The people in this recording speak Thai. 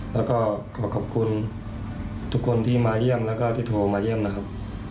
แล้วก็ขอขอบคุณทุกคนที่มาเยี่ยมแล้วก็ที่โทรมาเยี่ยมนะครับ